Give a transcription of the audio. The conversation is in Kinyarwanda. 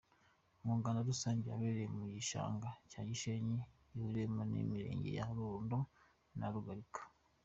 Umuganda rusange wabereye mu gishanga cya Bishenyi gihuriweho n’imirenge ya Runda na Rugarika.